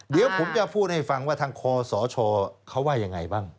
เดี๋ยวผมจะพูดให้ฟังว่าทางคอสชเขาว่ายังไงบ้าง